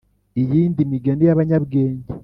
Iyindi migani y abanyabwenge